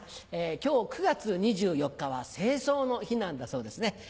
今日９月２４日は清掃の日なんだそうですね。